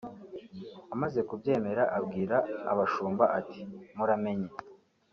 Amaze kubyemera abwira abashumba ati “Muramenye